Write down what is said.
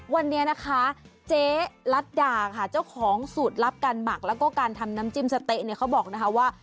วันนี้นะคะเจ๊ลัดดาค่ะเจ้าของสูตรลับการหมักแล้วก็การทำน้ำจิ้มสะเต๊ะเนี่ยเขาบอกนะคะว่า